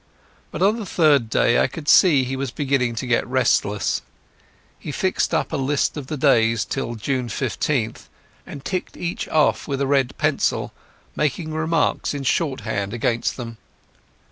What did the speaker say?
But on the third day I could see he was beginning to get restless. He fixed up a list of the days till June 15th, and ticked each off with a red pencil, making remarks in shorthand against them.